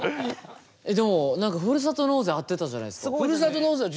でも何かふるさと納税合ってたじゃないですか。